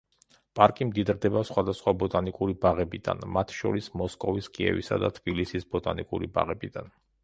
პარკი მდიდრდება სხვადასხვა ბოტანიკური ბაღებიდან, მათ შორის მოსკოვის, კიევისა და თბილისის ბოტანიკური ბაღებიდან.